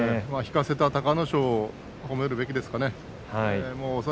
引かせた隆の勝を褒めるべきですね。